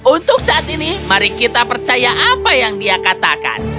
untuk saat ini mari kita percaya apa yang dia katakan